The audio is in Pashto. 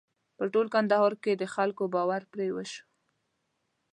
په ټول کندهار کې د خلکو باور پرې وشو.